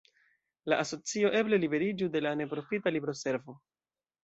La asocio eble liberiĝu de la neprofita libroservo.